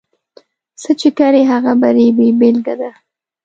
څه چې کرې، هغه به رېبې بېلګه ده.